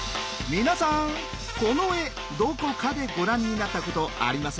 皆さんこの絵どこかでご覧になったことありませんか？